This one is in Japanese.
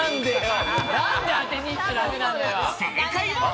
正解は。